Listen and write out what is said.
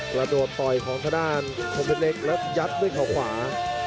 กระโดดต่อยของทางด้านทงเพชรเล็กแล้วยัดด้วยเขาขวา